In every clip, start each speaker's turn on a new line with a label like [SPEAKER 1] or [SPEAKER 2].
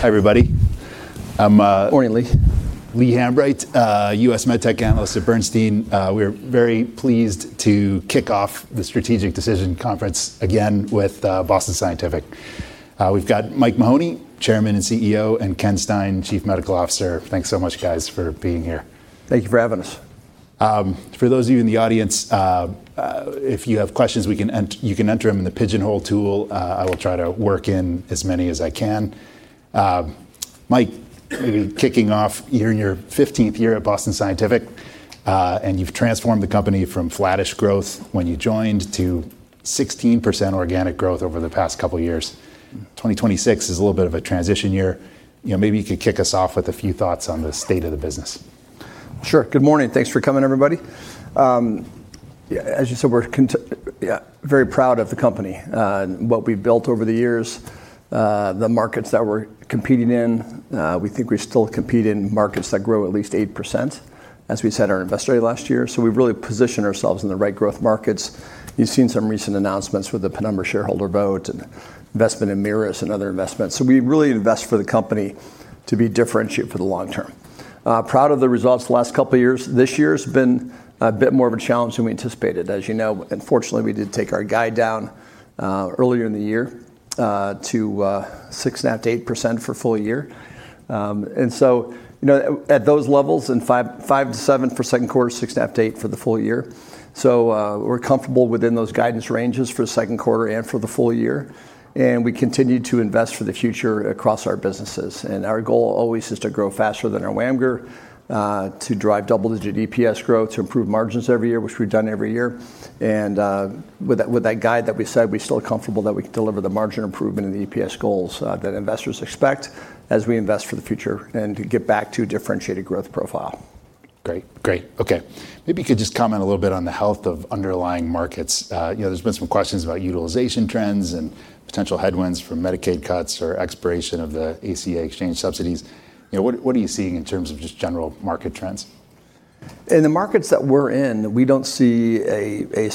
[SPEAKER 1] Hi, everybody.
[SPEAKER 2] Morning, Lee.
[SPEAKER 1] Lee Hambright, U.S. MedTech Analyst at Bernstein. We're very pleased to kick off the Strategic Decisions Conference again with Boston Scientific. We've got Mike Mahoney, Chairman and CEO, and Ken Stein, Chief Medical Officer. Thanks so much, guys, for being here.
[SPEAKER 2] Thank you for having us.
[SPEAKER 1] For those of you in the audience, if you have questions, you can enter them in the Pigeonhole tool. I will try to work in as many as I can. Mike, kicking off, you're in your 15th year at Boston Scientific, and you've transformed the company from flattish growth when you joined to 16% organic growth over the past couple of years. 2026 is a little bit of a transition year. Maybe you could kick us off with a few thoughts on the state of the business.
[SPEAKER 2] Sure. Good morning. Thanks for coming, everybody. As you said, we're very proud of the company, what we've built over the years, the markets that we're competing in. We think we still compete in markets that grow at least 8%, as we said at our investor day last year. We've really positioned ourselves in the right growth markets. You've seen some recent announcements with the Penumbra shareholder vote and investment in MiRus and other investments. We really invest for the company to be differentiated for the long term. Proud of the results the last couple of years. This year's been a bit more of a challenge than we anticipated. As you know, unfortunately, we did take our guide down earlier in the year to 6.5%-8% for full year. At those levels, 5%-7% for second quarter, 6.5%-8% for the full year. We're comfortable within those guidance ranges for the second quarter and for the full year, and we continue to invest for the future across our businesses. Our goal always is to grow faster than our WAMGR, to drive double-digit EPS growth, to improve margins every year, which we've done every year. With that guide that we said, we're still comfortable that we can deliver the margin improvement in the EPS goals that investors expect as we invest for the future and to get back to differentiated growth profile.
[SPEAKER 1] Great. Okay. Maybe you could just comment a little bit on the health of underlying markets. There's been some questions about utilization trends and potential headwinds from Medicaid cuts or expiration of the ACA exchange subsidies. What are you seeing in terms of just general market trends?
[SPEAKER 2] In the markets that we're in, we don't see any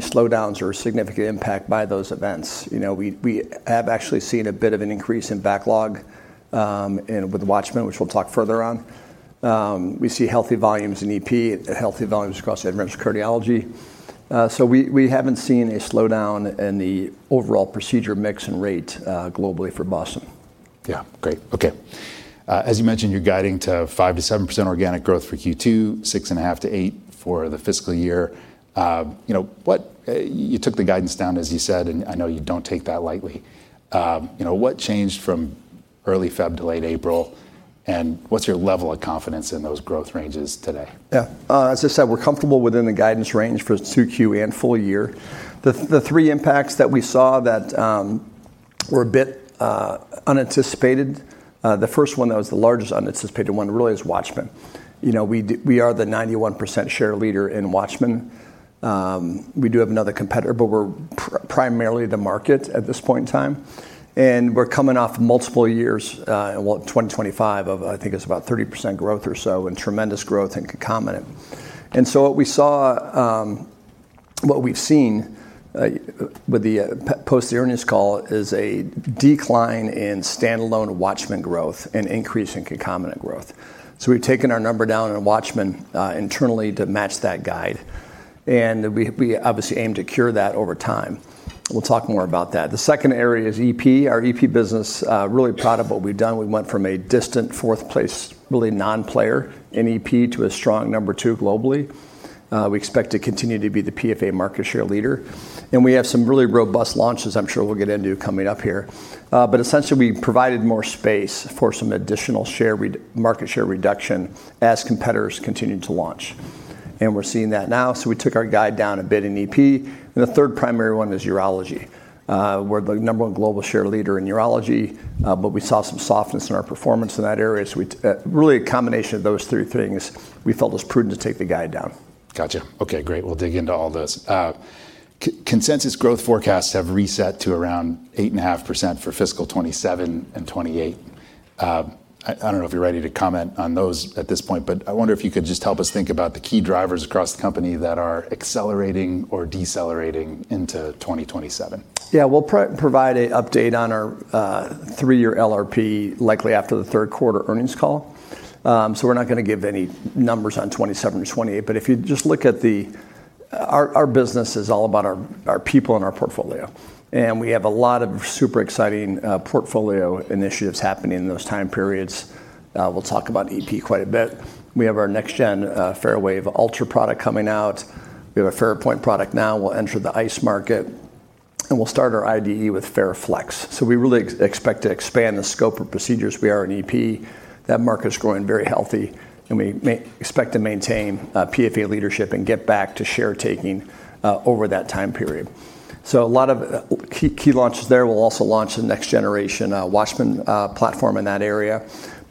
[SPEAKER 2] slowdowns or significant impact by those events. We have actually seen a bit of an increase in backlog with WATCHMAN, which we'll talk further on. We see healthy volumes in EP, healthy volumes across advanced cardiology. We haven't seen a slowdown in the overall procedure mix and rate globally for Boston.
[SPEAKER 1] Yeah. Great. Okay. As you mentioned, you're guiding to 5%-7% organic growth for Q2, 6.5%-8% for the fiscal year. You took the guidance down, as you said. I know you don't take that lightly. What changed from early February to late April? What's your level of confidence in those growth ranges today?
[SPEAKER 2] Yeah. As I said, we're comfortable within the guidance range for 2Q and full year. The three impacts that we saw that were a bit unanticipated, the first one that was the largest unanticipated one, really is WATCHMAN. We are the 91% share leader in WATCHMAN. We do have another competitor, but we're primarily the market at this point in time. We're coming off multiple years, in 2025 of, I think it's about 30% growth or so and tremendous growth in concomitant. What we've seen with the post earnings call is a decline in standalone WATCHMAN growth and increase in concomitant growth. We've taken our number down in WATCHMAN internally to match that guide. We obviously aim to cure that over time. We'll talk more about that. The second area is EP. Our EP business, really proud of what we've done. We went from a distant fourth place, really non-player in EP, to a strong number two globally. We expect to continue to be the PFA market share leader. We have some really robust launches I'm sure we'll get into coming up here. Essentially, we provided more space for some additional market share reduction as competitors continued to launch. We're seeing that now, we took our guide down a bit in EP. The third primary one is urology. We're the number one global share leader in urology. We saw some softness in our performance in that area. Really a combination of those three things, we felt it was prudent to take the guide down.
[SPEAKER 1] Got you. Okay, great. We'll dig into all this. Consensus growth forecasts have reset to around 8.5% for fiscal 2027 and 2028. I don't know if you're ready to comment on those at this point, but I wonder if you could just help us think about the key drivers across the company that are accelerating or decelerating into 2027.
[SPEAKER 2] Yeah. We'll provide an update on our three-year LRP, likely after the third quarter earnings call. We're not going to give any numbers on 2027 or 2028. Our business is all about our people and our portfolio. We have a lot of super exciting portfolio initiatives happening in those time periods. We'll talk about EP quite a bit. We have our next gen FARAWAVE Ultra product coming out. We have a FARAPOINT product now. We'll enter the ICE market. We'll start our IDE with FARAFLEX. We really expect to expand the scope of procedures we are in EP. That market's growing very healthy, and we expect to maintain PFA leadership and get back to share taking over that time period. A lot of key launches there. We'll also launch the next generation WATCHMAN platform in that area.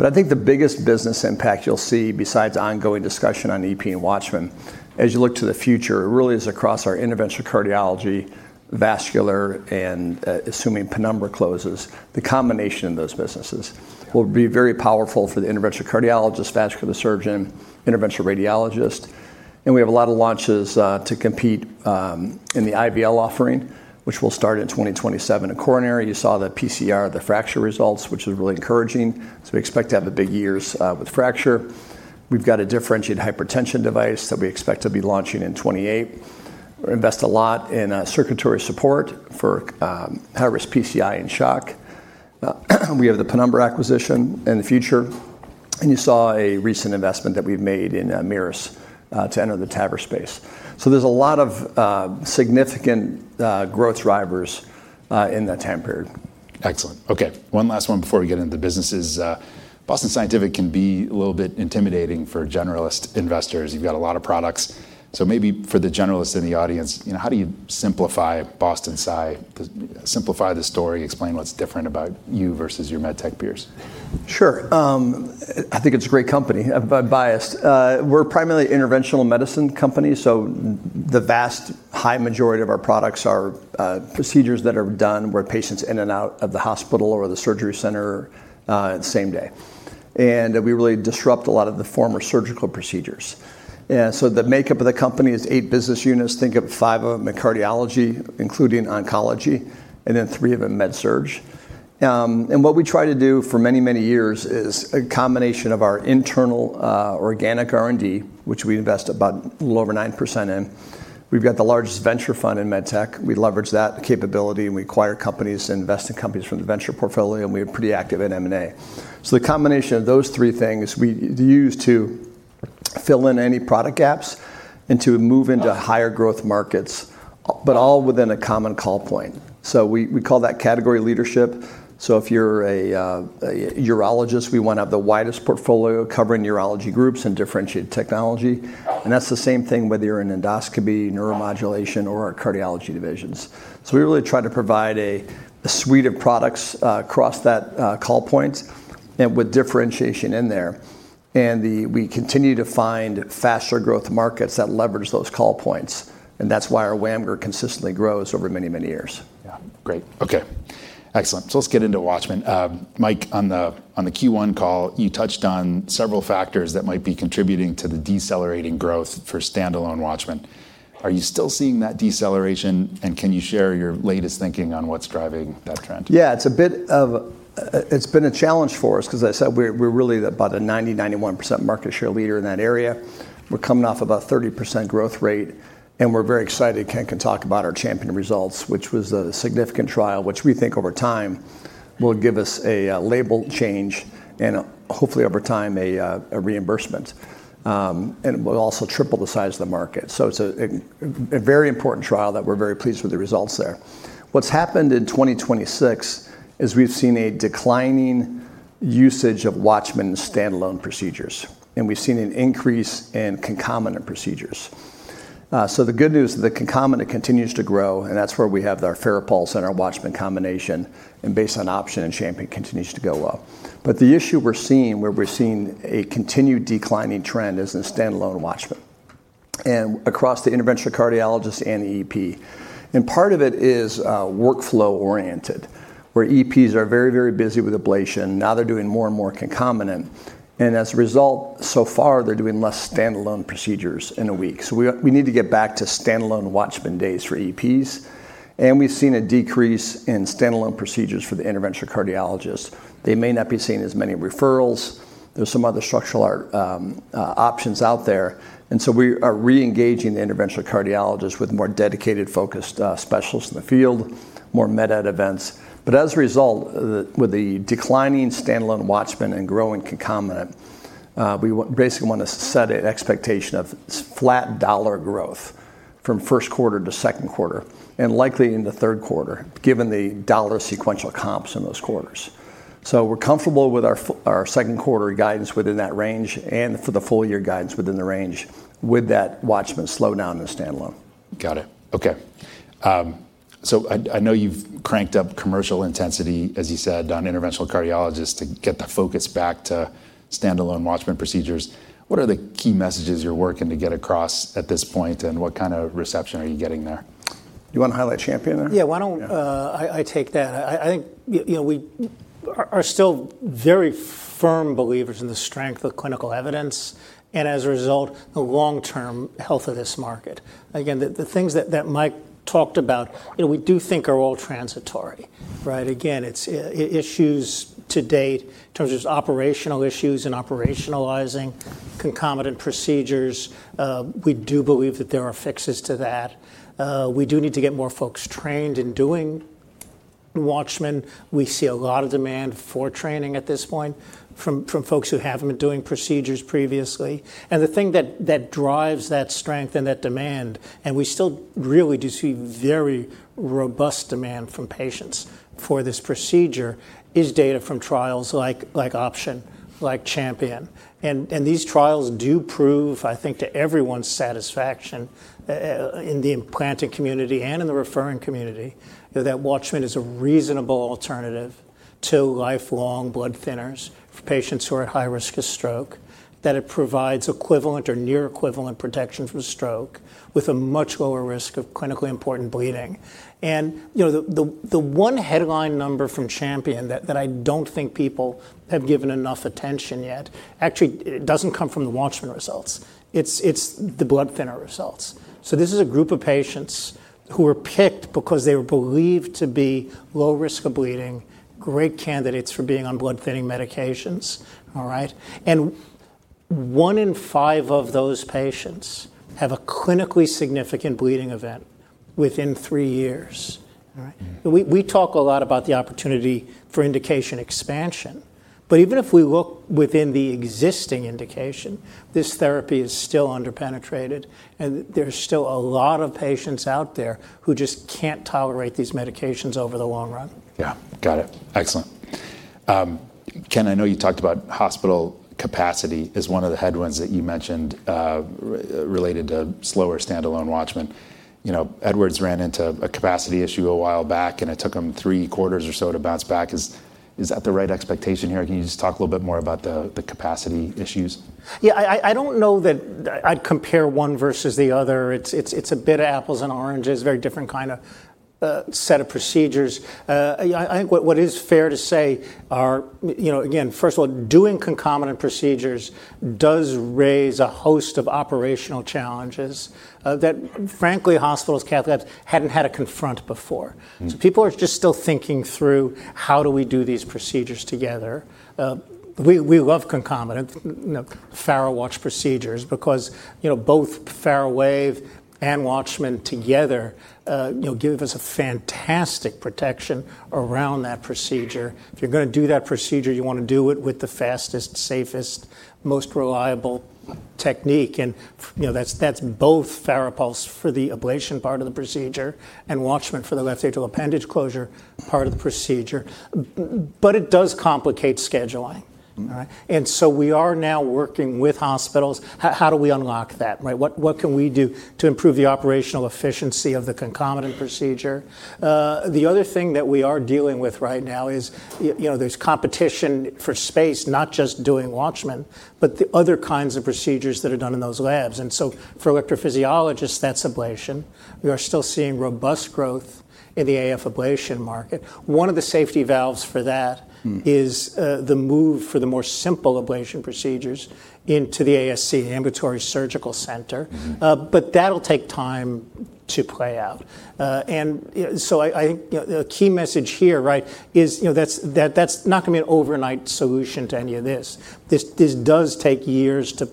[SPEAKER 2] I think the biggest business impact you'll see besides ongoing discussion on EP and WATCHMAN, as you look to the future, really is across our interventional cardiology, vascular, and assuming Penumbra closes, the combination of those businesses will be very powerful for the interventional cardiologist, vascular surgeon, interventional radiologist. We have a lot of launches to compete in the IVL offering, which will start in 2027. In coronary, you saw the PCR, the FRACTURE results, which is really encouraging. We expect to have big years with FRACTURE. We've got a differentiated hypertension device that we expect to be launching in 2028. We invest a lot in circulatory support for high-risk PCI and shock. We have the Penumbra acquisition in the future. You saw a recent investment that we've made in MiRus to enter the TAVR space. There's a lot of significant growth drivers in that time period.
[SPEAKER 1] Excellent. Okay, one last one before we get into the businesses. Boston Scientific can be a little bit intimidating for generalist investors. You've got a lot of products. Maybe for the generalists in the audience, how do you simplify Boston Sci, simplify the story, explain what's different about you versus your med tech peers?
[SPEAKER 2] Sure. I think it's a great company. I'm biased. We're primarily an interventional medicine company, so the vast majority of our products are procedures that are done where patients in and out of the hospital or the surgery center the same day. We really disrupt a lot of the former surgical procedures. The makeup of the company is eight business units. Think of five of them in cardiology, including oncology, and then three of them MedSurg. What we try to do for many, many years is a combination of our internal organic R&D, which we invest about a little over 9% in. We've got the largest venture fund in MedTech. We leverage that capability, and we acquire companies and invest in companies from the venture portfolio, and we are pretty active in M&A. The combination of those three things we use to fill in any product gaps and to move into higher growth markets, but all within a common call point. We call that category leadership. If you're a urologist, we want to have the widest portfolio covering urology groups and differentiated technology. That's the same thing whether you're in endoscopy, neuromodulation, or our cardiology divisions. We really try to provide a suite of products across that call point and with differentiation in there. We continue to find faster growth markets that leverage those call points. That's why our WAMGR consistently grows over many, many years.
[SPEAKER 1] Yeah. Great. Okay. Excellent. Let's get into WATCHMAN. Mike, on the Q1 call, you touched on several factors that might be contributing to the decelerating growth for standalone WATCHMAN. Are you still seeing that deceleration, and can you share your latest thinking on what's driving that trend?
[SPEAKER 2] Yeah, it's been a challenge for us because, as I said, we're really about a 90%, 91% market share leader in that area. We're coming off about a 30% growth rate, and we're very excited. Ken can talk about our CHAMPION-AF results, which was a significant trial, which we think over time will give us a label change and hopefully over time, a reimbursement. It will also triple the size of the market. It's a very important trial that we're very pleased with the results there. What's happened in 2026 is we've seen a declining usage of WATCHMAN standalone procedures, and we've seen an increase in concomitant procedures. The good news is the concomitant continues to grow, and that's where we have our FARAPULSE and our WATCHMAN combination. Based on OPTION, CHAMPION-AF continues to go up. The issue we're seeing, where we're seeing a continued declining trend, is in standalone WATCHMAN and across the interventional cardiologists and the EP. Part of it is workflow-oriented, where EPs are very, very busy with ablation. Now they're doing more and more concomitant, and as a result, so far, they're doing less standalone procedures in a week. We need to get back to standalone WATCHMAN days for EPs, and we've seen a decrease in standalone procedures for the interventional cardiologists. They may not be seeing as many referrals. There's some other structural options out there, and so we are re-engaging the interventional cardiologists with more dedicated, focused specialists in the field, more MedEd events. As a result, with the declining standalone WATCHMAN and growing concomitant, we basically want to set an expectation of flat dollar growth from first quarter to second quarter, and likely into third quarter, given the dollar sequential comps in those quarters. We're comfortable with our second quarter guidance within that range and for the full-year guidance within the range with that WATCHMAN slowdown in the standalone.
[SPEAKER 1] Got it. Okay. I know you've cranked up commercial intensity, as you said, on interventional cardiologists to get the focus back to standalone WATCHMAN procedures. What are the key messages you're working to get across at this point, and what kind of reception are you getting there?
[SPEAKER 2] Do you want to highlight CHAMPION-AF there?
[SPEAKER 3] Yeah, why don't I take that? I think we are still very firm believers in the strength of clinical evidence and as a result, the long-term health of this market. Again, the things that Mike talked about we do think are all transitory, right? Again, it's issues to date in terms of just operational issues and operationalizing concomitant procedures. We do believe that there are fixes to that. We do need to get more folks trained in doing WATCHMAN. We see a lot of demand for training at this point from folks who haven't been doing procedures previously. The thing that drives that strength and that demand, and we still really do see very robust demand from patients for this procedure, is data from trials like OPTION, like CHAMPION. These trials do prove, I think to everyone's satisfaction, in the implanted community and in the referring community, that WATCHMAN is a reasonable alternative to lifelong blood thinners for patients who are at high risk of stroke, that it provides equivalent or near equivalent protection from stroke with a much lower risk of clinically important bleeding. The one headline number from CHAMPION that I don't think people have given enough attention yet, actually, it doesn't come from the WATCHMAN results. It's the blood thinner results. This is a group of patients who were picked because they were believed to be low risk of bleeding, great candidates for being on blood thinning medications. All right? One in five of those patients have a clinically significant bleeding event within three years. All right? We talk a lot about the opportunity for indication expansion, but even if we look within the existing indication, this therapy is still under-penetrated, and there's still a lot of patients out there who just can't tolerate these medications over the long run.
[SPEAKER 1] Yeah. Got it. Excellent. Ken, I know you talked about hospital capacity as one of the headwinds that you mentioned related to slower standalone WATCHMAN. Edwards ran into a capacity issue a while back, and it took them three quarters or so to bounce back. Is that the right expectation here? Can you just talk a little bit more about the capacity issues?
[SPEAKER 3] Yeah. I don't know that I'd compare one versus the other. It's a bit of apples and oranges. Very different kind of set of procedures. I think what is fair to say are again, first of all, doing concomitant procedures does raise a host of operational challenges that frankly, hospitals, cath labs, hadn't had to confront before. People are just still thinking through how do we do these procedures together. We love concomitant FARAWATCH procedures because both FARAWAVE and WATCHMAN together give us a fantastic protection around that procedure. If you're going to do that procedure, you want to do it with the fastest, safest, most reliable technique. That's both FARAPULSE for the ablation part of the procedure and WATCHMAN for the left atrial appendage closure part of the procedure. It does complicate scheduling. All right? We are now working with hospitals. How do we unlock that? Right? What can we do to improve the operational efficiency of the concomitant procedure? The other thing that we are dealing with right now is there's competition for space, not just doing WATCHMAN, but the other kinds of procedures that are done in those labs. For electrophysiologists, that's ablation. We are still seeing robust growth in the AF ablation market. One of the safety values for that is the move for the more simple ablation procedures into the ASC, ambulatory surgical center. That'll take time to play out. I think the key message here, right, is that's not going to be an overnight solution to any of this. This does take years to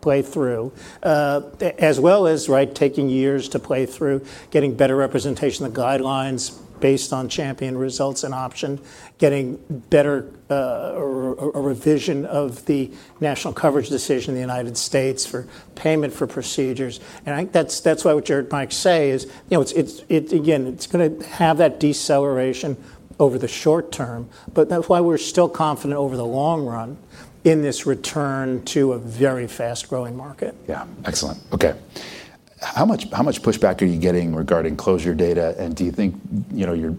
[SPEAKER 3] play through. As well as, right, taking years to play through getting better representation of guidelines based on CHAMPION-AF results and OPTION, getting better or revision of the National Coverage Determination in the U.S. for payment for procedures. I think that's why what Jared might say is, again, it's going to have that deceleration over the short term, but that's why we're still confident over the long run in this return to a very fast-growing market.
[SPEAKER 1] Yeah. Excellent. Okay. How much pushback are you getting regarding CLOSURE data, and do you think your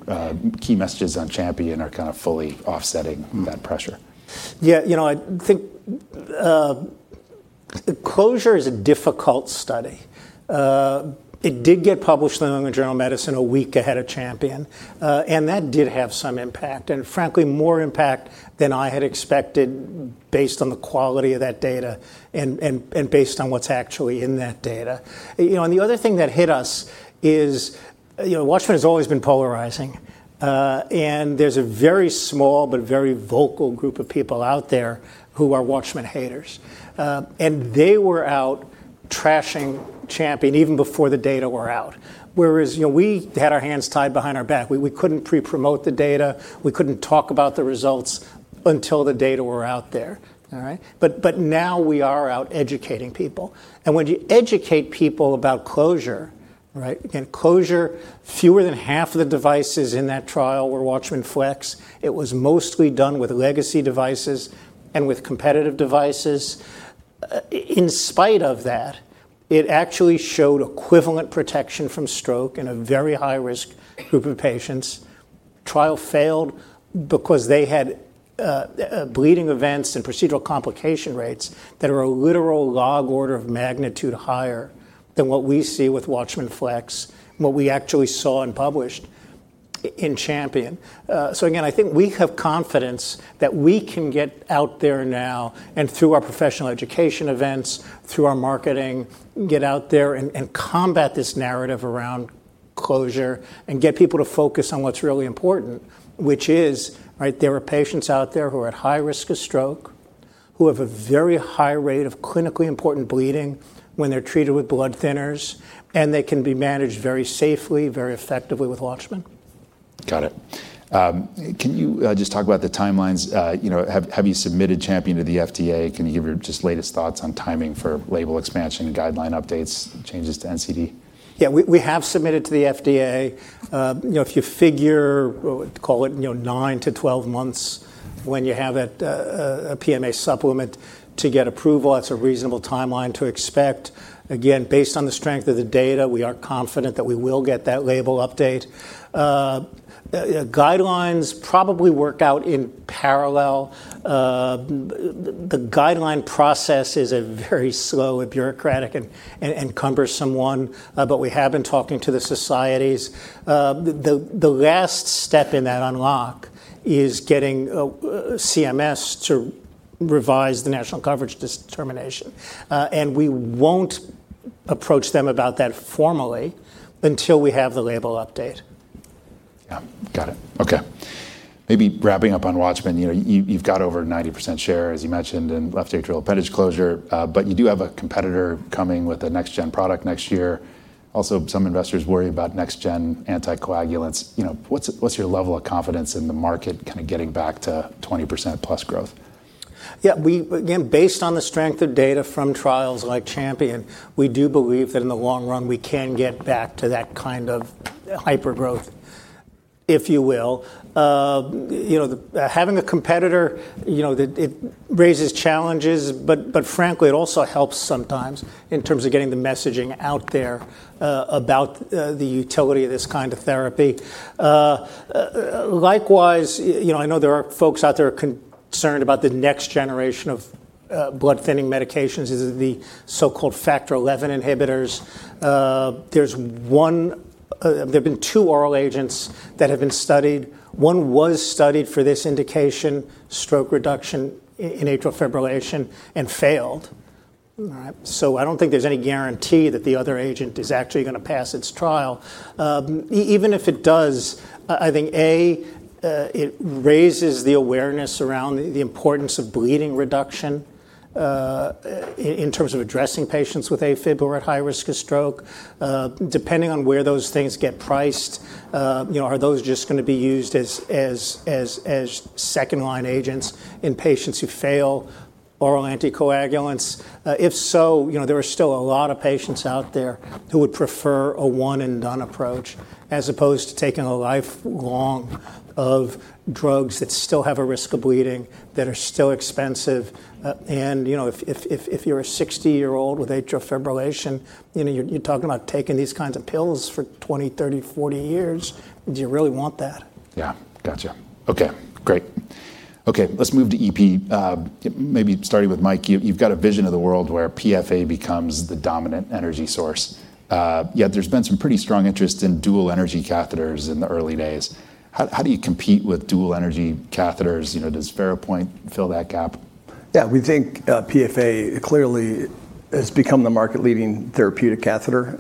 [SPEAKER 1] key messages on CHAMPION are kind of fully offsetting that pressure?
[SPEAKER 3] Yeah, I think CLOSURE is a difficult study. It did get published in The New England Journal of Medicine a week ahead of CHAMPION. That did have some impact, and frankly, more impact than I had expected based on the quality of that data and based on what's actually in that data. The other thing that hit us is WATCHMAN has always been polarizing. There's a very small but very vocal group of people out there who are WATCHMAN haters. They were out trashing CHAMPION even before the data were out. Whereas, we had our hands tied behind our back. We couldn't pre-promote the data. We couldn't talk about the results until the data were out there. All right? Now we are out educating people. When you educate people about CLOSURE, right, again, CLOSURE, fewer than half of the devices in that trial were WATCHMAN FLX. It was mostly done with legacy devices and with competitive devices. In spite of that, it actually showed equivalent protection from stroke in a very high-risk group of patients. Trial failed because they had bleeding events and procedural complication rates that are a literal log order of magnitude higher than what we see with WATCHMAN FLX, and what we actually saw and published in CHAMPION. Again, I think we have confidence that we can get out there now and through our professional education events, through our marketing, get out there and combat this narrative around CLOSURE and get people to focus on what's really important, which is right, there are patients out there who are at high risk of stroke, who have a very high rate of clinically important bleeding when they're treated with blood thinners. And they can be managed very safely, very effectively with WATCHMAN.
[SPEAKER 1] Got it. Can you just talk about the timelines? Have you submitted CHAMPION to the FDA? Can you give your just latest thoughts on timing for label expansion and guideline updates, changes to NCD?
[SPEAKER 3] We have submitted to the FDA. If you figure, call it 9-12 months. When you have that PMA supplement to get approval, that's a reasonable timeline to expect. Again, based on the strength of the data, we are confident that we will get that label update. Guidelines probably work out in parallel. The guideline process is a very slow and bureaucratic and cumbersome one, but we have been talking to the societies. The last step in that unlock is getting CMS to revise the National Coverage Determination. We won't approach them about that formally until we have the label update.
[SPEAKER 1] Yeah. Got it. Okay. Maybe wrapping up on WATCHMAN. You've got over 90% share, as you mentioned, in left atrial appendage closure, but you do have a competitor coming with a next-gen product next year. Also, some investors worry about next-gen anticoagulants. What's your level of confidence in the market kind of getting back to 20%+ growth?
[SPEAKER 3] Yeah. Again, based on the strength of data from trials like CHAMPION, we do believe that in the long run, we can get back to that kind of hyper-growth, if you will. Having a competitor, it raises challenges, but frankly, it also helps sometimes in terms of getting the messaging out there about the utility of this kind of therapy. Likewise, I know there are folks out there concerned about the next generation of blood-thinning medications, the so-called Factor XI inhibitors. There have been two oral agents that have been studied. One was studied for this indication, stroke reduction in atrial fibrillation, and failed. I don't think there's any guarantee that the other agent is actually going to pass its trial. Even if it does, I think, A, it raises the awareness around the importance of bleeding reduction in terms of addressing patients with AFib who are at high risk of stroke. Depending on where those things get priced, are those just going to be used as second-line agents in patients who fail oral anticoagulants? If so, there are still a lot of patients out there who would prefer a one-and-done approach as opposed to taking a lifelong of drugs that still have a risk of bleeding, that are still expensive. If you're a 60-year-old with atrial fibrillation, you're talking about taking these kinds of pills for 20, 30, 40 years. Do you really want that?
[SPEAKER 1] Yeah. Got you. Okay, great. Let's move to EP. Maybe starting with Mike, you've got a vision of the world where PFA becomes the dominant energy source. Yet there's been some pretty strong interest in dual energy catheters in the early days. How do you compete with dual energy catheters? Does FARAPOINT fill that gap?
[SPEAKER 2] Yeah. We think PFA clearly has become the market-leading therapeutic catheter.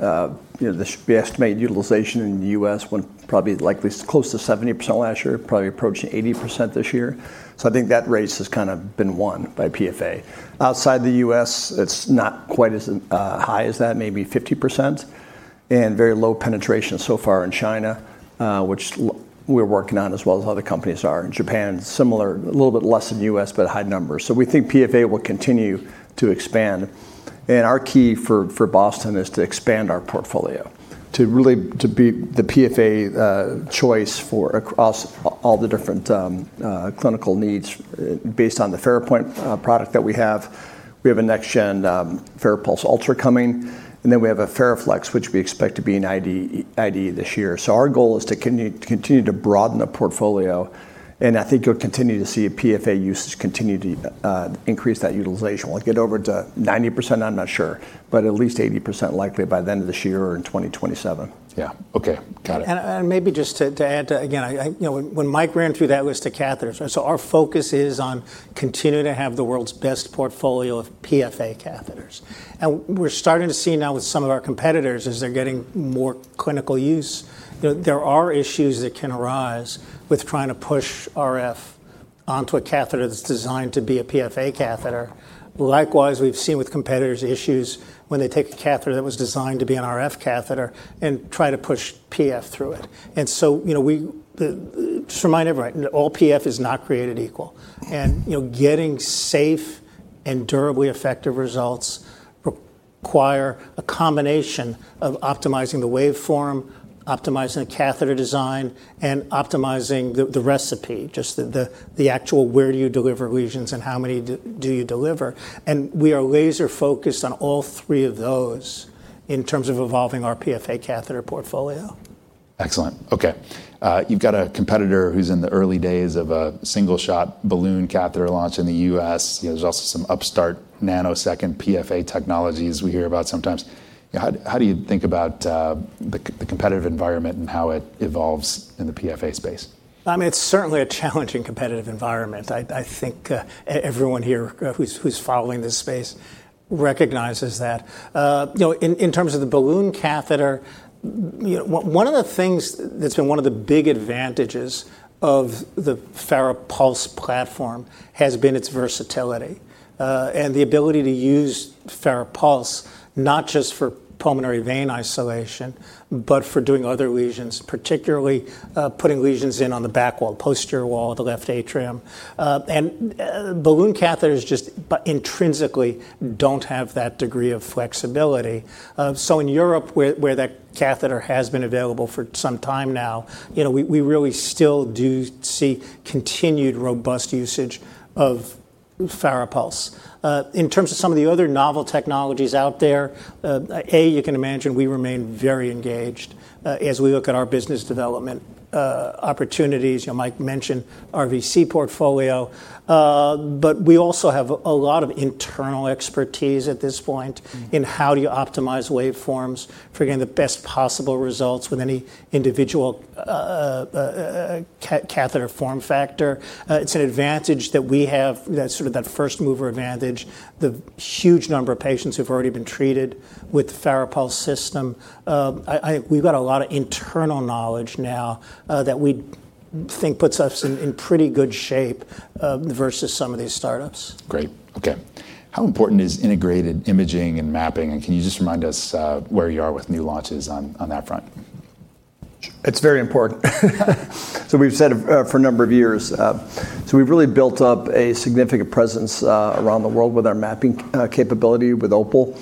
[SPEAKER 2] The estimated utilization in the U.S. probably likely close to 70% last year, probably approaching 80% this year. I think that race has kind of been won by PFA. Outside the U.S., it's not quite as high as that, maybe 50%, and very low penetration so far in China, which we're working on as well as other companies are. In Japan, similar, a little bit less than U.S., high numbers. We think PFA will continue to expand. Our key for Boston is to expand our portfolio to really be the PFA choice for across all the different clinical needs based on the FARAPOINT product that we have. We have a next-gen FARAPULSE Ultra coming, then we have a FARAFLEX, which we expect to be in IDE this year. Our goal is to continue to broaden the portfolio, I think you'll continue to see a PFA usage continue to increase that utilization. Will it get over to 90%? I'm not sure. At least 80% likely by the end of this year or in 2027.
[SPEAKER 1] Yeah. Okay. Got it.
[SPEAKER 3] Maybe just to add to, again, when Mike ran through that list of catheters, and so our focus is on continuing to have the world's best portfolio of PFA catheters. We're starting to see now with some of our competitors, as they're getting more clinical use, there are issues that can arise with trying to push RF onto a catheter that's designed to be a PFA catheter. Likewise, we've seen with competitors issues when they take a catheter that was designed to be an RF catheter and try to push PFA through it. Just remind everyone, all PFA is not created equal. Getting safe and durably effective results require a combination of optimizing the waveform, optimizing the catheter design, and optimizing the recipe, just the actual where do you deliver lesions and how many do you deliver. We are laser-focused on all three of those in terms of evolving our PFA catheter portfolio.
[SPEAKER 1] Excellent. Okay. You've got a competitor who's in the early days of a single-shot balloon catheter launch in the U.S. There's also some upstart nanosecond PFA technologies we hear about sometimes. How do you think about the competitive environment and how it evolves in the PFA space?
[SPEAKER 3] It's certainly a challenging competitive environment. I think everyone here who's following this space recognizes that. In terms of the balloon catheter, one of the things that's been one of the big advantages of the FARAPULSE platform has been its versatility. The ability to use FARAPULSE not just for pulmonary vein isolation, but for doing other lesions, particularly putting lesions in on the back wall, posterior wall of the left atrium. Balloon catheters just intrinsically don't have that degree of flexibility. In Europe, where that catheter has been available for some time now, we really still do see continued robust usage of FARAPULSE. In terms of some of the other novel technologies out there, you can imagine we remain very engaged as we look at our business development opportunities. Mike mentioned our VC portfolio, but we also have a lot of internal expertise at this point in how do you optimize waveforms for getting the best possible results with any individual catheter form factor. It's an advantage that we have, that first-mover advantage, the huge number of patients who've already been treated with the FARAPULSE system. We've got a lot of internal knowledge now that we think puts us in pretty good shape versus some of these startups.
[SPEAKER 1] Great. Okay. How important is integrated imaging and mapping, and can you just remind us where you are with new launches on that front?
[SPEAKER 2] It's very important. We've said for a number of years. We've really built up a significant presence around the world with our mapping capability with OPAL.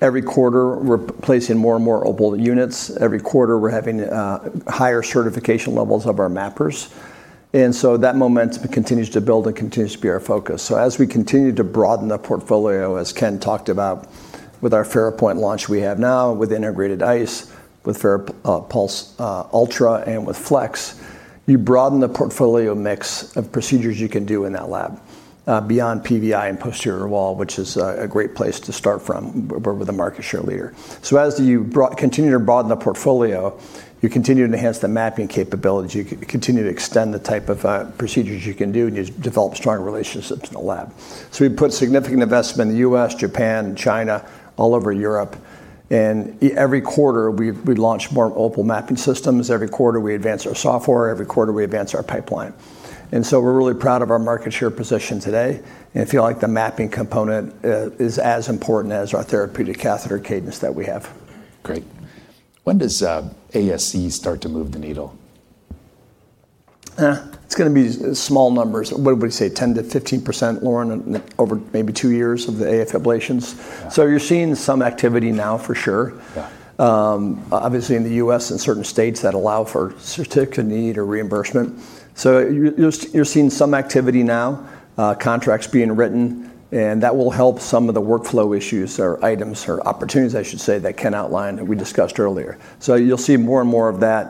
[SPEAKER 2] Every quarter, we're placing more and more OPAL units. Every quarter, we're having higher certification levels of our mappers. That momentum continues to build and continues to be our focus. As we continue to broaden the portfolio, as Ken talked about with our FARAPOINT launch we have now, with integrated ICE, with FARAPULSE Ultra, and with FLEX, you broaden the portfolio mix of procedures you can do in that lab beyond PVI and posterior wall, which is a great place to start from with a market share leader. As you continue to broaden the portfolio, you continue to enhance the mapping capability. You continue to extend the type of procedures you can do, and you develop strong relationships in the lab. We put significant investment in the U.S., Japan, and China, all over Europe. Every quarter, we launch more OPAL mapping systems. Every quarter, we advance our software. Every quarter, we advance our pipeline. We're really proud of our market share position today and feel like the mapping component is as important as our therapeutic catheter cadence that we have.
[SPEAKER 1] Great. When does ASC start to move the needle?
[SPEAKER 2] It's going to be small numbers. What would we say? 10%-15%, on or over maybe two years of the AF ablations. You're seeing some activity now for sure.
[SPEAKER 1] Yeah.
[SPEAKER 2] Obviously in the U.S. and certain states that allow for Certificate of Need or reimbursement. You're seeing some activity now, contracts being written, and that will help some of the workflow issues or items or opportunities I should say that Ken outlined and we discussed earlier. You'll see more and more of that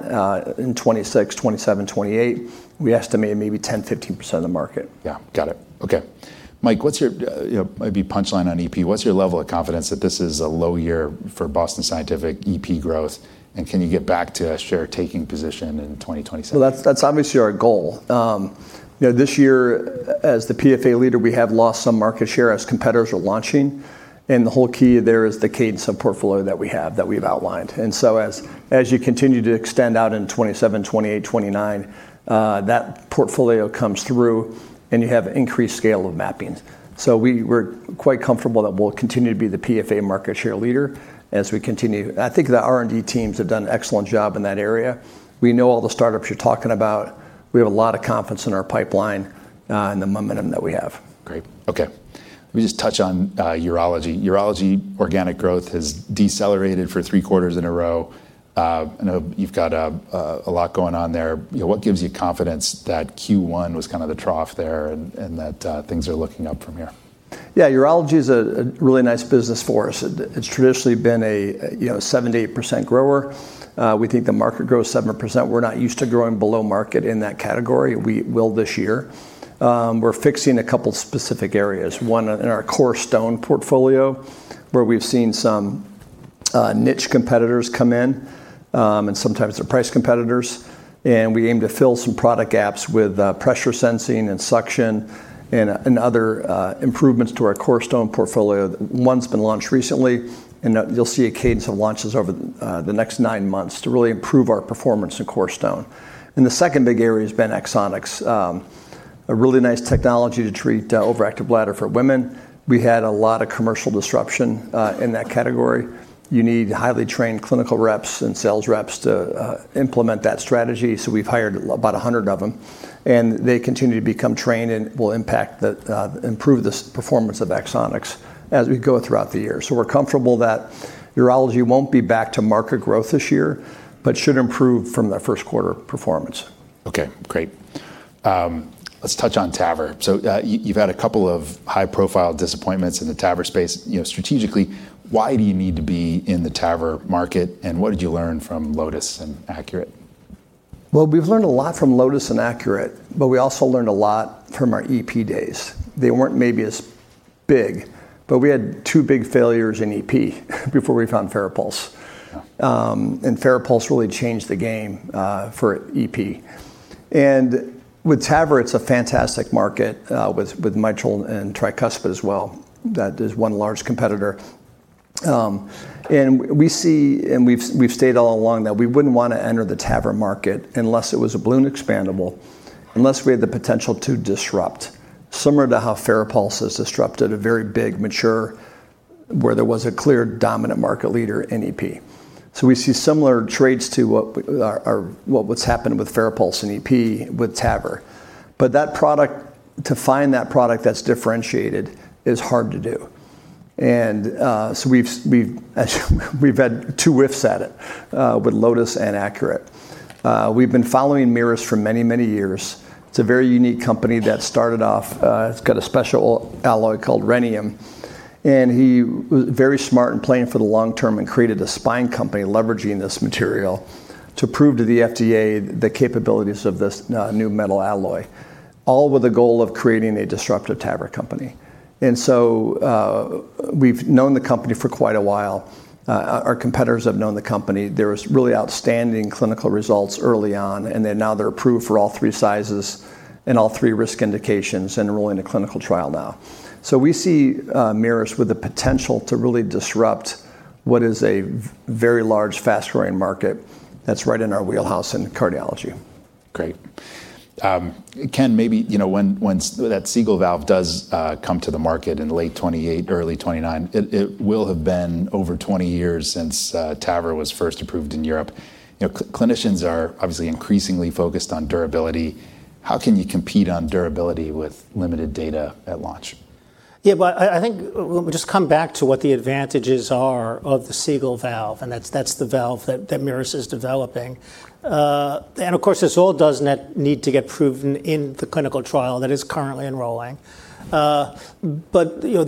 [SPEAKER 2] in 2026, 2027, 2028. We estimate maybe 10%-15% of the market.
[SPEAKER 1] Yeah. Got it. Okay. Mike, maybe punchline on EP, what's your level of confidence that this is a low year for Boston Scientific EP growth? Can you get back to a share taking position in 2027?
[SPEAKER 2] Well, that's obviously our goal. This year as the PFA leader, we have lost some market share as competitors are launching, and the whole key there is the cadence of portfolio that we have, that we've outlined. As you continue to extend out into 2027, 2028, 2029, that portfolio comes through, and you have increased scale of mappings. We're quite comfortable that we'll continue to be the PFA market share leader as we continue. I think the R&D teams have done an excellent job in that area. We know all the startups you're talking about. We have a lot of confidence in our pipeline and the momentum that we have.
[SPEAKER 1] Great. Okay. Let me just touch on urology. Urology organic growth has decelerated for three quarters in a row. I know you've got a lot going on there. What gives you confidence that Q1 was kind of the trough there and that things are looking up from here?
[SPEAKER 2] Yeah, urology is a really nice business for us. It's traditionally been a 7%-8% grower. We think the market grows 7%. We're not used to growing below market in that category. We will this year. We're fixing a couple specific areas, one in our core stone portfolio, where we've seen some niche competitors come in, and sometimes they're price competitors, and we aim to fill some product gaps with pressure sensing and suction and other improvements to our CorStone portfolio. One's been launched recently, you'll see a cadence of launches over the next nine months to really improve our performance in CorStone. The second big area has been Axonics, a really nice technology to treat overactive bladder for women. We had a lot of commercial disruption in that category. You need highly trained clinical reps and sales reps to implement that strategy. We've hired about 100 of them. They continue to become trained and will improve the performance of Axonics as we go throughout the year. We're comfortable that urology won't be back to market growth this year but should improve from that first-quarter performance.
[SPEAKER 1] Okay. Great. Let's touch on TAVR. You've had a couple of high-profile disappointments in the TAVR space. Strategically, why do you need to be in the TAVR market, and what did you learn from Lotus and ACURATE?
[SPEAKER 2] Well, we've learned a lot from Lotus and ACURATE, but we also learned a lot from our EP days. They weren't maybe as big, but we had two big failures in EP before we found FARAPULSE.
[SPEAKER 1] Yeah.
[SPEAKER 2] FARAPULSE really changed the game for EP. With TAVR, it's a fantastic market with Mitral and Tricuspid as well. That is one large competitor. We've stayed all along that we wouldn't want to enter the TAVR market unless it was a balloon-expandable, unless we had the potential to disrupt, similar to how FARAPULSE has disrupted a very big, mature, where there was a clear dominant market leader in EP. We see similar traits to what's happened with FARAPULSE and EP with TAVR. To find that product that's differentiated is hard to do. We've had two whiffs at it with Lotus and ACURATE. We've been following MiRus for many, many years. It's a very unique company. It's got a special alloy called rhenium, and he was very smart and playing for the long term and created a spine company leveraging this material to prove to the FDA the capabilities of this new metal alloy, all with the goal of creating a disruptive TAVR company. We've known the company for quite a while. Our competitors have known the company. There was really outstanding clinical results early on, and now they're approved for all three sizes and all three risk indications and enrolling a clinical trial now. We see MiRus with the potential to really disrupt what is a very large, fast-growing market that's right in our wheelhouse in cardiology.
[SPEAKER 1] Great. Ken, maybe when that Seagull valve does come to the market in late 2028, early 2029, it will have been over 20 years since TAVR was first approved in Europe. Clinicians are obviously increasingly focused on durability. How can you compete on durability with limited data at launch?
[SPEAKER 3] Yeah, I think we'll just come back to what the advantages are of the Seagull valve, and that's the valve that MiRus is developing. Of course, this all does need to get proven in the clinical trial that is currently enrolling. Using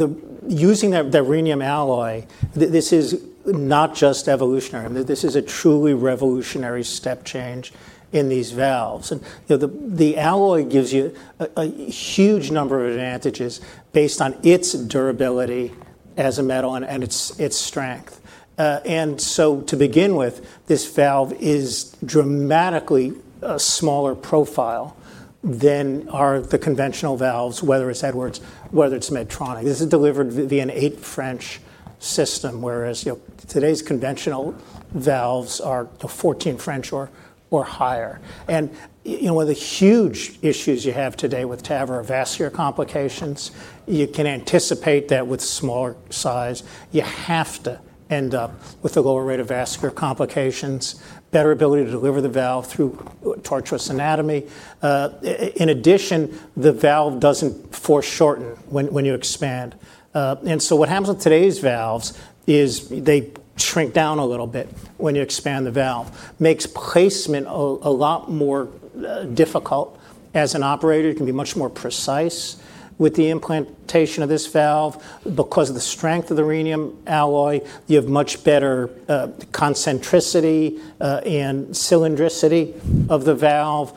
[SPEAKER 3] the rhenium alloy, this is not just evolutionary. This is a truly revolutionary step change in these valves. The alloy gives you a huge number of advantages based on its durability as a metal and its strength. To begin with, this valve is dramatically a smaller profile than are the conventional valves, whether it's Edwards, whether it's Medtronic. This is delivered via an eight French system, whereas today's conventional valves are 14 French or higher. One of the huge issues you have today with TAVR are vascular complications. You can anticipate that with smaller size. You have to end up with a lower rate of vascular complications, better ability to deliver the valve through tortuous anatomy. In addition, the valve doesn't foreshorten when you expand. What happens with today's valves is they shrink down a little bit when you expand the valve. Makes placement a lot more difficult. As an operator, you can be much more precise with the implantation of this valve. Because of the strength of the rhenium alloy, you have much better concentricity and cylindricity of the valve.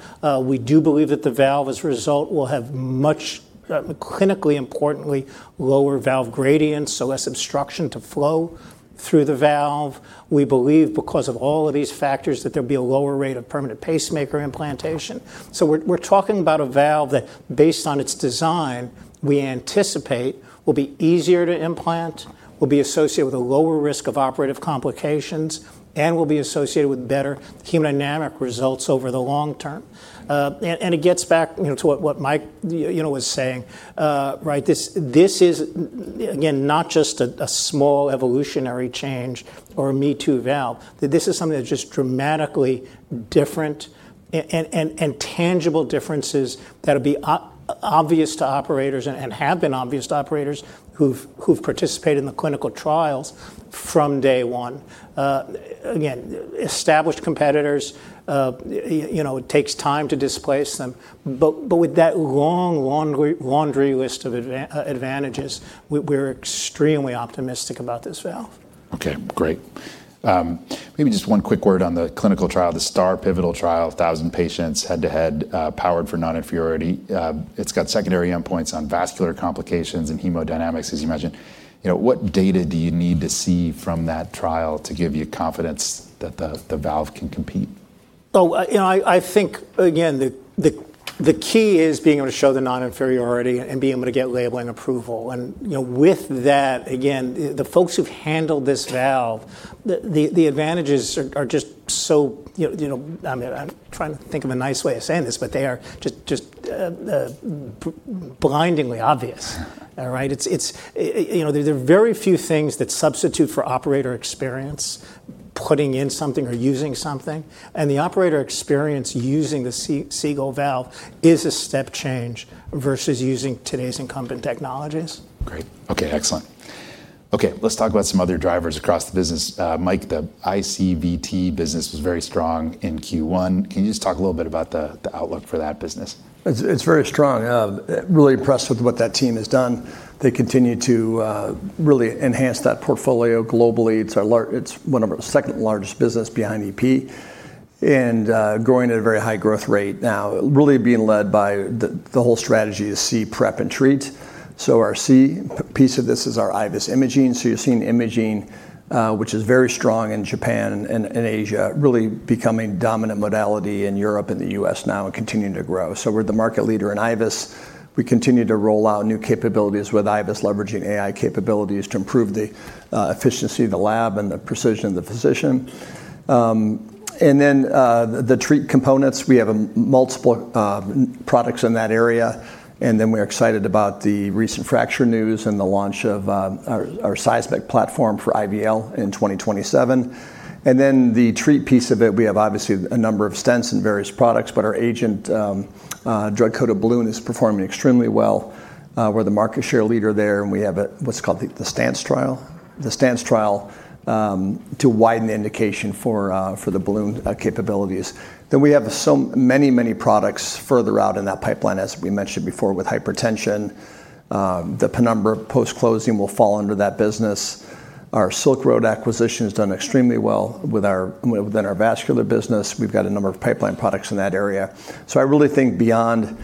[SPEAKER 3] We do believe that the valve, as a result, will have much, clinically importantly, lower valve gradients, so less obstruction to flow through the valve. We believe because of all of these factors, that there'll be a lower rate of permanent pacemaker implantation. We're talking about a valve that, based on its design, we anticipate will be easier to implant, will be associated with a lower risk of operative complications, and will be associated with better hemodynamic results over the long term. It gets back to what Mike was saying. This is, again, not just a small evolutionary change or a me-too valve. This is something that's just dramatically different and tangible differences that'll be obvious to operators and have been obvious to operators who've participated in the clinical trials from day one. Again, established competitors, it takes time to displace them. With that long laundry list of advantages, we're extremely optimistic about this valve.
[SPEAKER 1] Okay, great. Maybe just one quick word on the clinical trial, the STAR pivotal trial. 1,000 patients head-to-head, powered for non-inferiority. It's got secondary endpoints on vascular complications and hemodynamics, as you mentioned. What data do you need to see from that trial to give you confidence that the valve can compete?
[SPEAKER 3] I think, again, the key is being able to show the non-inferiority and being able to get labeling approval. With that, again, the folks who've handled this valve, the advantages are just so-- I'm trying to think of a nice way of saying this, but they are just blindingly obvious, right? There are very few things that substitute for operator experience, putting in something or using something. The operator experience using the Seagull valve is a step change versus using today's incumbent technologies.
[SPEAKER 1] Great. Okay, excellent. Let's talk about some other drivers across the business. Mike, the ICVT business was very strong in Q1. Can you just talk a little bit about the outlook for that business?
[SPEAKER 2] It's very strong. Really impressed with what that team has done. They continue to really enhance that portfolio globally. It's one of our second largest business behind EP and growing at a very high growth rate now, really being led by the whole strategy is see, prep, and treat. Our see piece of this is our IVUS imaging. You're seeing imaging, which is very strong in Japan and in Asia, really becoming dominant modality in Europe and the U.S. now and continuing to grow. We're the market leader in IVUS. We continue to roll out new capabilities with IVUS, leveraging AI capabilities to improve the efficiency of the lab and the precision of the physician. The treat components, we have multiple products in that area, we're excited about the recent FRACTURE IDE news and the launch of our SEISMIQ platform for IVL in 2027. The treat piece of it, we have obviously a number of stents and various products, but our AGENT Drug-Coated Balloon is performing extremely well. We're the market share leader there, and we have what's called the STANCE trial to widen the indication for the balloon capabilities. We have so many products further out in that pipeline. As we mentioned before, with hypertension, the Penumbra post-closing will fall under that business. Our Silk Road acquisition has done extremely well within our vascular business. We've got a number of pipeline products in that area. I really think beyond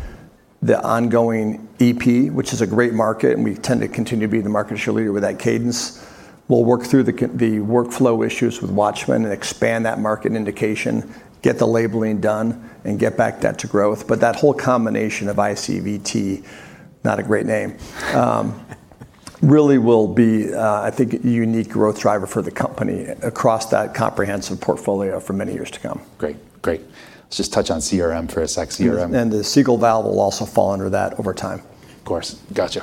[SPEAKER 2] the ongoing EP, which is a great market, and we tend to continue to be the market share leader with that cadence. We'll work through the workflow issues with WATCHMAN and expand that market indication, get the labeling done, and get back that to growth. That whole combination of ICVT, not a great name, really will be, I think, a unique growth driver for the company across that comprehensive portfolio for many years to come.
[SPEAKER 1] Great. Let's just touch on CRM for a sec.
[SPEAKER 2] The Seagull valve will also fall under that over time.
[SPEAKER 1] Of course. Got you.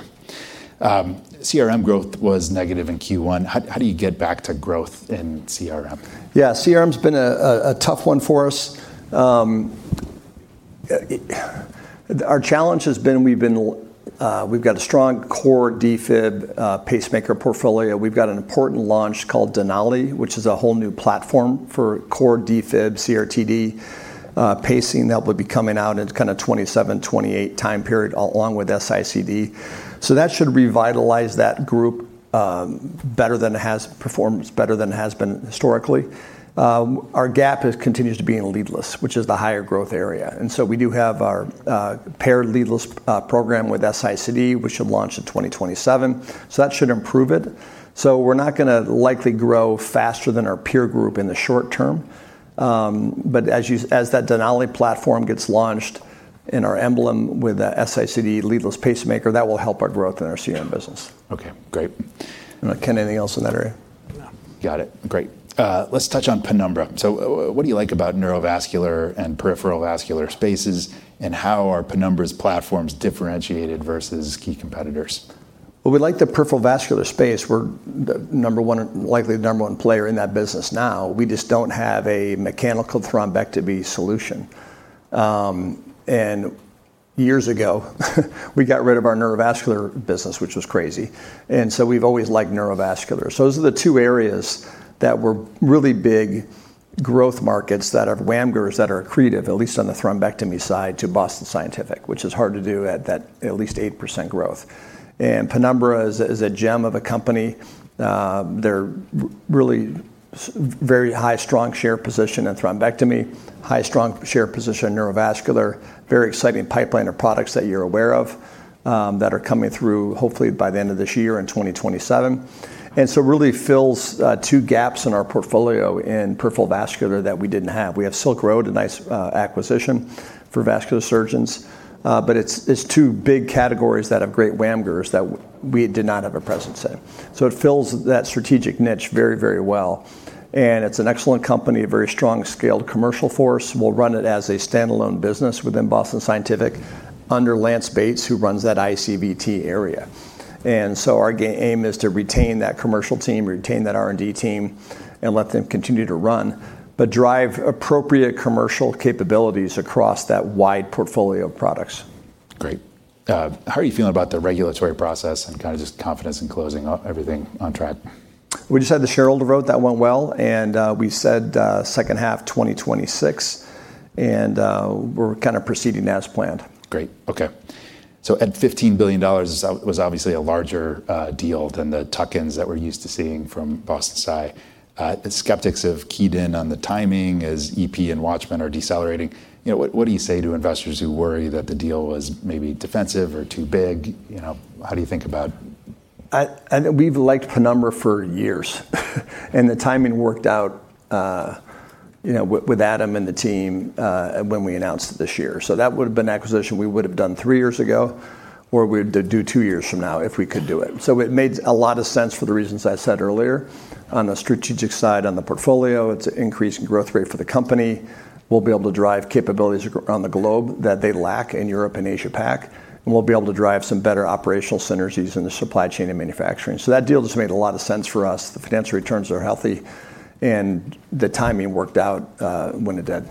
[SPEAKER 1] CRM growth was negative in Q1. How do you get back to growth in CRM?
[SPEAKER 2] CRM's been a tough one for us. Our challenge has been we've got a strong core defib pacemaker portfolio. We've got an important launch called Denali, which is a whole new platform for core defib CRT-D pacing that would be coming out into kind of 2027, 2028 time period, along with S-ICD. That should revitalize that group better than it has performed, better than it has been historically. Our gap continues to be in leadless, which is the higher growth area. We do have our paired leadless program with S-ICD, which should launch in 2027. That should improve it. We're not going to likely grow faster than our peer group in the short term. As that Denali platform gets launched in our EMBLEM with the S-ICD leadless pacemaker, that will help our growth in our CRM business.
[SPEAKER 1] Okay, great.
[SPEAKER 2] Ken, anything else in that area?
[SPEAKER 3] No.
[SPEAKER 1] Got it. Great. Let's touch on Penumbra. What do you like about neurovascular and peripheral vascular spaces, and how are Penumbra's platforms differentiated versus key competitors?
[SPEAKER 2] Well, we like the peripheral vascular space. We're likely the number one player in that business now. We just don't have a mechanical thrombectomy solution. Years ago we got rid of our neurovascular business, which was crazy. We've always liked neurovascular. Those are the two areas that were really big growth markets that have WAMGRs, that are accretive, at least on the thrombectomy side, to Boston Scientific, which is hard to do at that at least 8% growth. Penumbra is a gem of a company. They're really very high strong share position in thrombectomy, high strong share position in neurovascular, very exciting pipeline of products that you're aware of that are coming through, hopefully by the end of this year, in 2027. Really fills two gaps in our portfolio in peripheral vascular that we didn't have. We have Silk Road, a nice acquisition for vascular surgeons. It's two big categories that have great WAMGRs that we did not have a presence in. It fills that strategic niche very well. It's an excellent company, a very strong scaled commercial force. We'll run it as a standalone business within Boston Scientific under Lance Bates, who runs that ICVT area. Our aim is to retain that commercial team, retain that R&D team, and let them continue to run, but drive appropriate commercial capabilities across that wide portfolio of products.
[SPEAKER 1] Great. How are you feeling about the regulatory process and kind of just confidence in closing everything on track?
[SPEAKER 2] We just had the shareholder vote. That went well. We said second half 2026. We're kind of proceeding as planned.
[SPEAKER 1] Great. Okay. At $15 billion, this was obviously a larger deal than the tuck-ins that we're used to seeing from Boston Sci. Skeptics have keyed in on the timing as EP and WATCHMAN are decelerating. What do you say to investors who worry that the deal was maybe defensive or too big?
[SPEAKER 2] We've liked Penumbra for years. The timing worked out, with Adam and the team, when we announced it this year. That would've been an acquisition we would've done three years ago, or we'd do two years from now if we could do it. It made a lot of sense for the reasons I said earlier. On the strategic side, on the portfolio, it's an increase in growth rate for the company. We'll be able to drive capabilities around the globe that they lack in Europe and Asia Pac, and we'll be able to drive some better operational synergies in the supply chain and manufacturing. That deal just made a lot of sense for us. The financial returns are healthy, and the timing worked out when it did.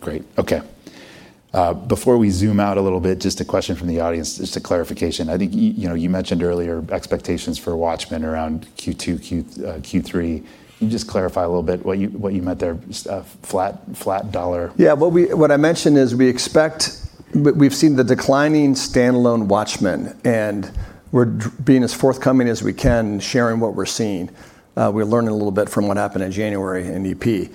[SPEAKER 1] Great. Okay. Before we zoom out a little bit, just a question from the audience, just a clarification. I think you mentioned earlier expectations for WATCHMAN around Q2, Q3. Can you just clarify a little bit what you meant there? Just a flat dollar?
[SPEAKER 2] What I mentioned is we've seen the declining standalone WATCHMAN, and we're being as forthcoming as we can sharing what we're seeing. We're learning a little bit from what happened in January in EP.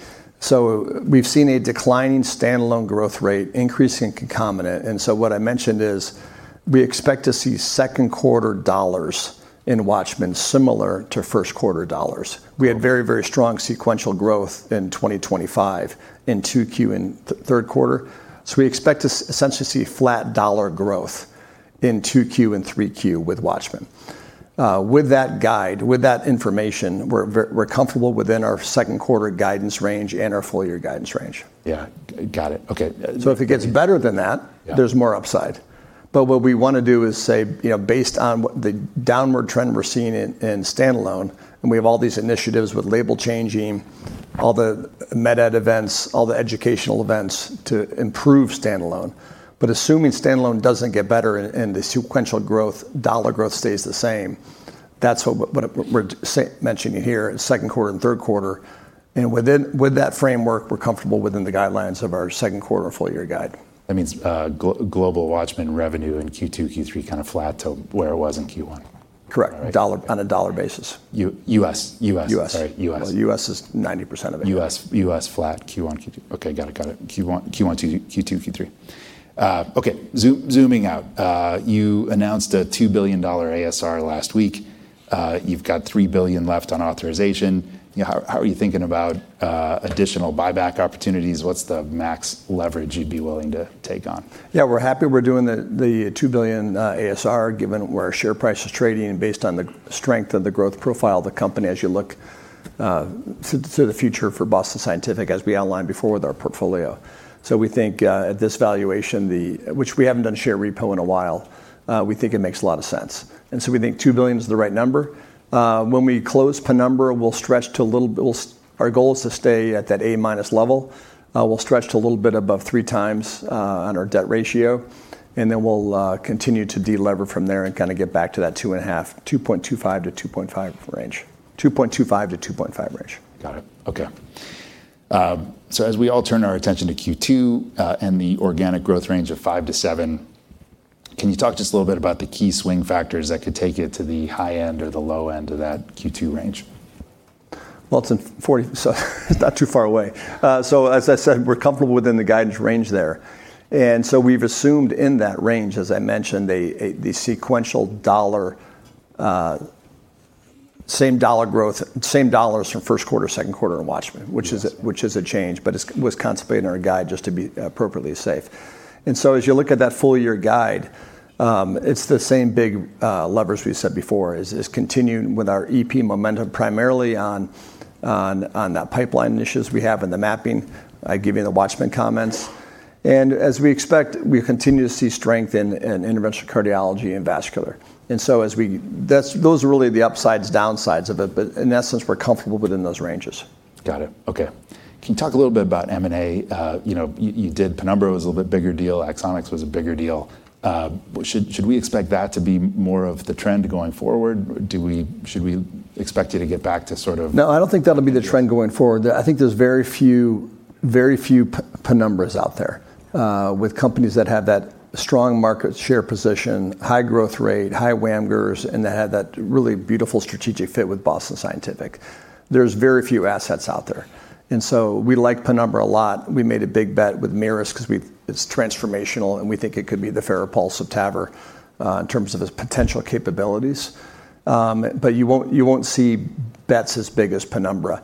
[SPEAKER 2] We've seen a declining standalone growth rate increasing concomitant. What I mentioned is we expect to see second quarter dollars in WATCHMAN similar to first quarter dollars. We had very strong sequential growth in 2025 in 2Q and third quarter. We expect to essentially see flat dollar growth in 2Q and 3Q with WATCHMAN. With that guide, with that information, we're comfortable within our second quarter guidance range and our full-year guidance range.
[SPEAKER 1] Yeah. Got it. Okay.
[SPEAKER 2] If it gets better than that.
[SPEAKER 1] Yeah
[SPEAKER 2] There's more upside. What we want to do is say, based on the downward trend we're seeing in standalone, and we have all these initiatives with label changing, all the MedEd events, all the educational events to improve standalone. Assuming standalone doesn't get better and the sequential growth, dollar growth stays the same, that's what we're mentioning here in second quarter and third quarter, and with that framework, we're comfortable within the guidelines of our second quarter and full-year guide.
[SPEAKER 1] That means global WATCHMAN revenue in Q2, Q3 kind of flat to where it was in Q1?
[SPEAKER 2] Correct.
[SPEAKER 1] All right.
[SPEAKER 2] On a dollar basis.
[SPEAKER 1] U.S.
[SPEAKER 2] U.S.
[SPEAKER 1] Sorry, U.S.
[SPEAKER 2] Well, U.S. is 90% of it.
[SPEAKER 1] U.S. flat Q1. Okay, got it. Q1 to Q2, Q3. Okay. Zooming out, you announced a $2 billion ASR last week. You've got $3 billion left on authorization. How are you thinking about additional buyback opportunities? What's the max leverage you'd be willing to take on?
[SPEAKER 2] Yeah, we're happy we're doing the $2 billion ASR given where share price is trading and based on the strength of the growth profile of the company as you look to the future for Boston Scientific, as we outlined before with our portfolio. We think, at this valuation, which we haven't done share repo in a while, we think it makes a lot of sense. We think $2 billion is the right number. When we close Penumbra, our goal is to stay at that A-minus level. We'll stretch to a little bit above 3x on our debt ratio, and then we'll continue to de-lever from there and kind of get back to that 2.25x-2.5x range.
[SPEAKER 1] Got it. Okay. As we all turn our attention to Q2, and the organic growth range of 5%-7%, can you talk just a little bit about the key swing factors that could take it to the high end or the low end of that Q2 range?
[SPEAKER 2] It's not too far away. As I said, we're comfortable within the guidance range there. We've assumed in that range, as I mentioned, the sequential same dollars from first quarter, second quarter in WATCHMAN, which is a change, but was contemplated in our guide just to be appropriately safe. As you look at that full-year guide, it's the same big levers we've said before, is continuing with our EP momentum primarily on the pipeline initiatives we have in the mapping. I gave you the WATCHMAN comments. As we expect, we continue to see strength in interventional cardiology and vascular. Those are really the upsides, downsides of it. In essence, we're comfortable within those ranges.
[SPEAKER 1] Got it. Okay. Can you talk a little bit about M&A? You did Penumbra. It was a little bit bigger deal. Axonics was a bigger deal. Should we expect that to be more of the trend going forward? Should we expect you to get back to sort of?
[SPEAKER 2] I don't think that'll be the trend going forward. I think there's very few Penumbras out there with companies that have that strong market share position, high growth rate, high WAMGRs, and that had that really beautiful strategic fit with Boston Scientific. There's very few assets out there, and so we like Penumbra a lot. We made a big bet with MiRus because it's transformational, and we think it could be the FARAPULSE of TAVR in terms of its potential capabilities. You won't see bets as big as Penumbra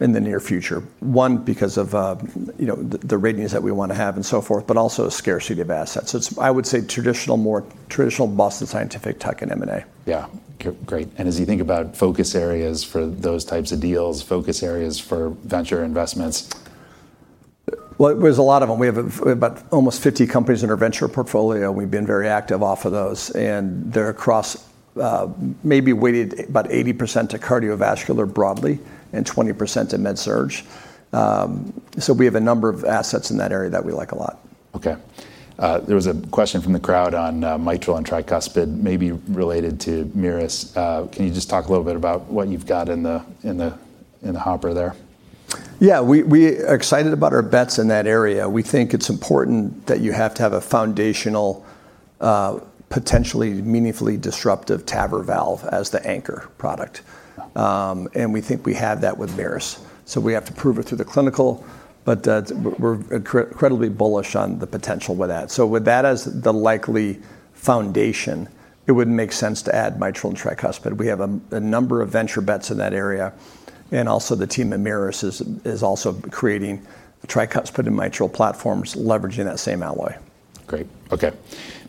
[SPEAKER 2] in the near future. One, because of the radiance that we want to have and so forth, also a scarcity of assets. I would say more traditional Boston Scientific tech and M&A.
[SPEAKER 1] Yeah. Great. As you think about focus areas for those types of deals, focus areas for venture investments.
[SPEAKER 2] Well, there's a lot of them. We have about almost 50 companies in our venture portfolio. We've been very active off of those. They're across maybe weighted about 80% to cardiovascular broadly and 20% to MedSurg. We have a number of assets in that area that we like a lot.
[SPEAKER 1] Okay. There was a question from the crowd on mitral and tricuspid, maybe related to MiRus. Can you just talk a little bit about what you've got in the hopper there?
[SPEAKER 2] Yeah, we are excited about our bets in that area. We think it's important that you have to have a foundational, potentially meaningfully disruptive TAVR valve as the anchor product, and we think we have that with MiRus. We have to prove it through the clinical, but we're incredibly bullish on the potential with that. With that as the likely foundation, it wouldn't make sense to add mitral and tricuspid. We have a number of venture bets in that area, and also the team at MiRus is also creating tricuspid and mitral platforms leveraging that same alloy.
[SPEAKER 1] Great. Okay.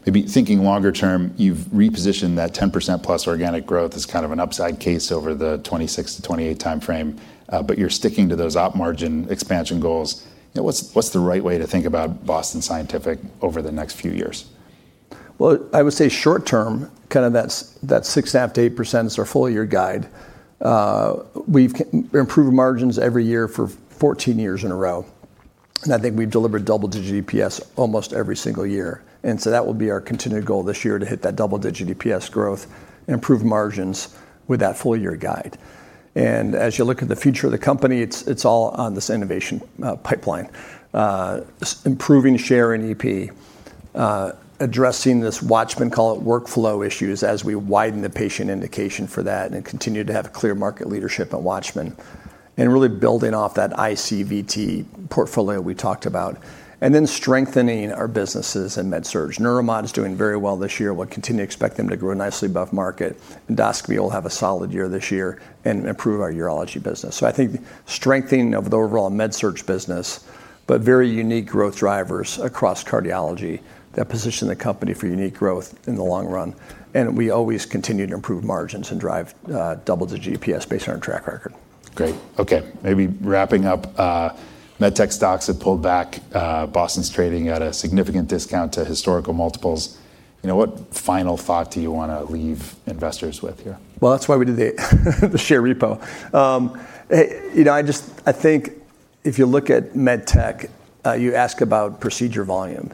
[SPEAKER 1] Maybe thinking longer term, you've repositioned that 10%+ organic growth as kind of an upside case over the 2026 to 2028 time frame, but you're sticking to those op margin expansion goals. What's the right way to think about Boston Scientific over the next few years?
[SPEAKER 2] Well, I would say short term, kind of that 6.5%-8% is our full-year guide. We've improved margins every year for 14 years in a row. I think we've delivered double-digit EPS almost every single year. That will be our continued goal this year, to hit that double-digit EPS growth and improve margins with that full-year guide. As you look at the future of the company, it's all on this innovation pipeline. Improving share in EP, addressing this WATCHMAN, call it workflow issues, as we widen the patient indication for that and continue to have clear market leadership at WATCHMAN. Really building off that ICVT portfolio we talked about, then strengthening our businesses in MedSurg. Neuromod is doing very well this year. We'll continue to expect them to grow nicely above market. Endoscopy will have a solid year this year and improve our urology business. I think strengthening of the overall MedSurg business, but very unique growth drivers across cardiology that position the company for unique growth in the long run. We always continue to improve margins and drive double-digit EPS based on our track record.
[SPEAKER 1] Great. Okay. Maybe wrapping up, MedTech stocks have pulled back. Boston's trading at a significant discount to historical multiples. What final thought do you want to leave investors with here?
[SPEAKER 2] Well, that's why we did the share repo. I think if you look at MedTech, you ask about procedure volume.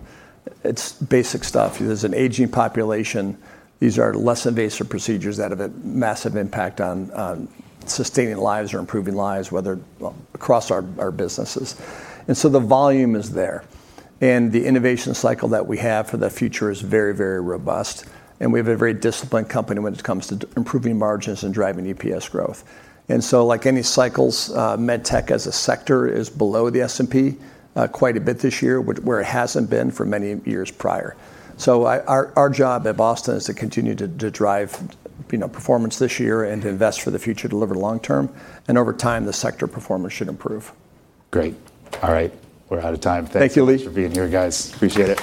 [SPEAKER 2] It's basic stuff. There's an aging population. These are less invasive procedures that have a massive impact on sustaining lives or improving lives across our businesses. The volume is there, and the innovation cycle that we have for the future is very, very robust, and we have a very disciplined company when it comes to improving margins and driving EPS growth. Like any cycles, MedTech as a sector is below the S&P quite a bit this year, where it hasn't been for many years prior. Our job at Boston is to continue to drive performance this year and to invest for the future, deliver long term, and over time, the sector performance should improve.
[SPEAKER 1] Great. All right. We're out of time.
[SPEAKER 2] Thank you, Lee.
[SPEAKER 1] Thanks for being here, guys. Appreciate it.